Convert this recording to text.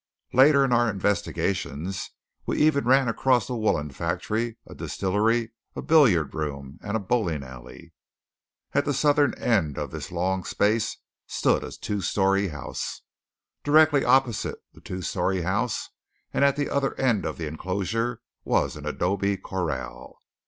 Later in our investigations we even ran across a woollen factory, a distillery, a billiard room, and a bowling alley! At the southern end of this long space stood a two story house. Directly opposite the two story house and at the other end of the enclosure was an adobe corral.